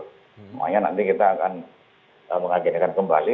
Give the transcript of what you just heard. semuanya nanti kita akan mengagendakan kembali